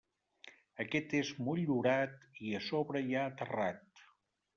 Aquest és motllurat i a sobre hi ha terrat.